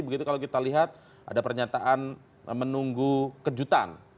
begitu kalau kita lihat ada pernyataan menunggu kejutan